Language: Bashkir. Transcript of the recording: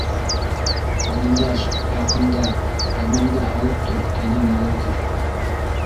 Ҡарындаш, яҡында, һырмаңды һалып тор, тәнең ял итер.